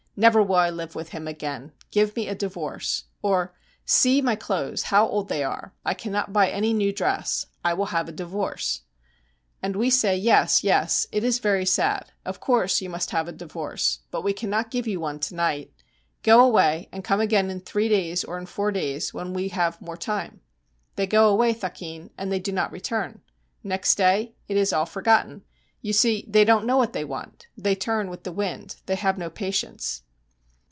Never will I live with him again. Give me a divorce." Or, "See my clothes, how old they are. I cannot buy any new dress. I will have a divorce." And we say, "Yes, yes; it is very sad. Of course, you must have a divorce; but we cannot give you one to night. Go away, and come again in three days or in four days, when we have more time." They go away, thakin, and they do not return. Next day it is all forgotten. You see, they don't know what they want; they turn with the wind they have no patience.'